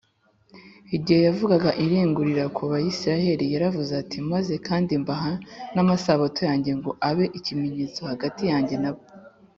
igihe yavugaga irengurira ku bayisiraheli yaravuze ati, “maze kandi mbaha n’amasabato yanjye ngo abe ikimenyetso hagati yanjye na bo